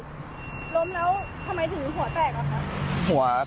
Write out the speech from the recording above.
ล้มแล้วทำไมถึงหัวแตกอะคะ